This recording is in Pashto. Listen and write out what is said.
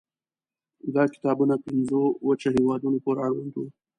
دا کتابونه پنځو وچه هېوادونو پورې اړوند وو.